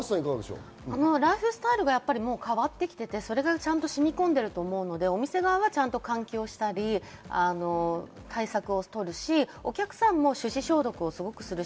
ライフスタイルが変わってきていてちゃんと染み込んでると思うのでお店も換気したり対策を取るし、お客さんも手指消毒をするし。